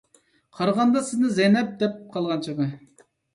قارىغاندا سىزنى زەينەپ دەپ قالغان چېغى.